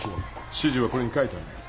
指示はこれに書いてあります。